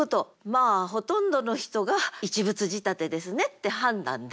まあほとんどの人が一物仕立てですねって判断できる。